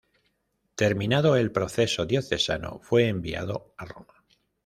Terminado el proceso diocesano fue enviado a Roma.